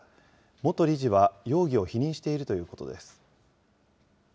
元理事は容疑を否認しているということです。